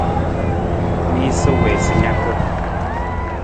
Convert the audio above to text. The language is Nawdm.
Miisa wii sa naka.